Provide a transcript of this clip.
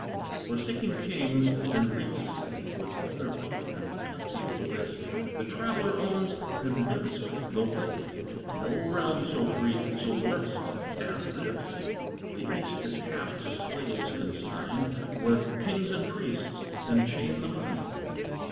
Forsaking kings and regal state, With all their pomp and fancied bliss, The traveller owns, convinced though late, No realm so free, so blest as this The east is half to slaves consigned, Where kings and priests enchain the mind.